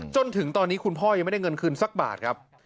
จนถึงตอนนี้คุณพ่อยังไม่ได้เงินคืนสักบาทครับ